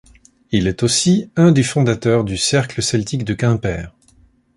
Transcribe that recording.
Il est aussi un des fondateurs du Cercle celtique de Quimper.